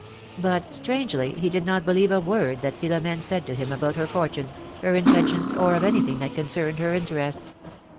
But, strangely, he did not believe a word that Philomene said to him about her fortune, her intentions, or of anything that concerned her interests.